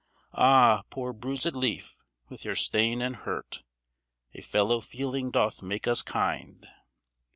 Ah! poor bruised leaf, with your stain and hurt, 'A fellow feeling doth make us kind.'